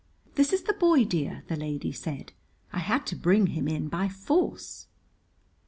"This is the boy, dear," the lady said. "I had to bring him in by force."